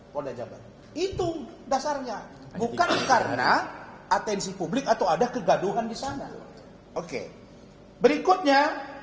polda jabar itu dasarnya bukan karena atensi publik atau ada kegaduhan di sana oke berikutnya